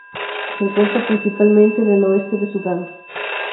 Se encuentra principalmente en el oeste de Sudán.